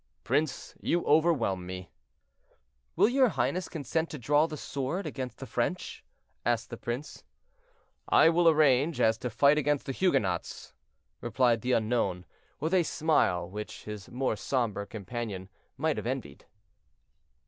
"Prince, you overwhelm me." "Will your highness consent to draw the sword against the French?" asked the prince. "I will arrange as to fight against the Huguenots," replied the unknown, with a smile which his more somber companion might have envied.